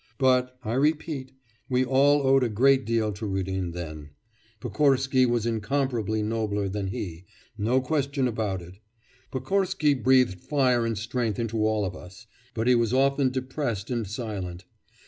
But, I repeat, we all owed a great deal to Rudin then. Pokorsky was incomparably nobler than he, no question about it; Pokorsky breathed fire and strength into all of us; but he was often depressed and silent.